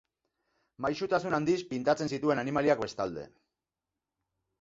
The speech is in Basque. Maisutasun handiz pintatzen zituen animaliak, bestalde.